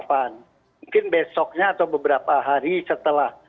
mungkin besoknya atau beberapa hari setelah